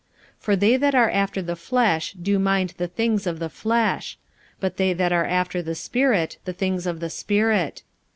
45:008:005 For they that are after the flesh do mind the things of the flesh; but they that are after the Spirit the things of the Spirit.